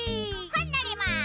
ほんのります！